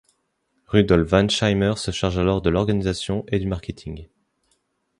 Rudolf Weinsheimer se charge alors de l'organisation et du marketing.